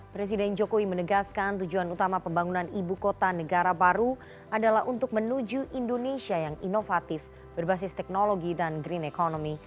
presiden jokowi menegaskan tujuan utama pembangunan ibu kota negara baru adalah untuk menuju indonesia yang inovatif berbasis teknologi dan green economy